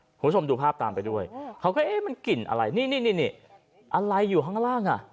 คุณผู้ชมดูภาพตามไปด้วยเขาก็เอ๊ะมันกลิ่นอะไรนี่นี่อะไรอยู่ข้างล่างอ่ะ